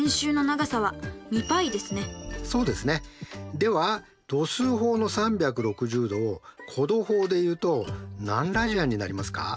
では度数法の３６０°を弧度法で言うと何ラジアンになりますか？